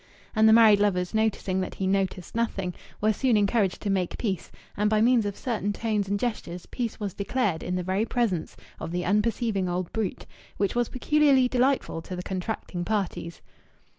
And the married lovers, noticing that he noticed nothing, were soon encouraged to make peace; and by means of certain tones and gestures peace was declared in the very presence of the unperceiving old brute, which was peculiarly delightful to the contracting parties.